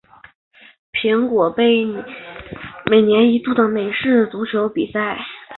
苹果杯每年一度的美式足球比赛。